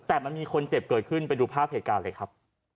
แต่มันมีคนเจ็บเกิดขึ้นไปดูภาพเหตุการณ์เลยครับ